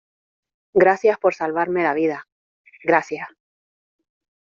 gracias por salvarme la vida, gracias.